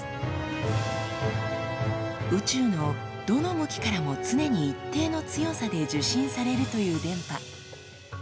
宇宙のどの向きからも常に一定の強さで受信されるという電波。